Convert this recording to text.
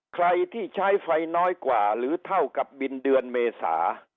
ใครที่ใช้ไฟน้อยกว่าหรือเท่ากับบินเดือนเมษา